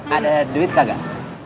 ada duit kagak